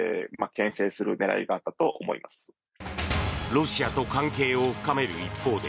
ロシアと関係を深める一方で